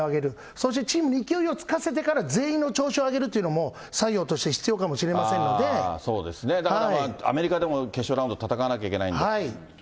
そしてチームに勢いをつかせてから、全員の調子を上げるっていうのも、作業として必要かもしれませんのそうですね、だから、アメリカでも決勝ラウンド戦わなきゃいけないんで。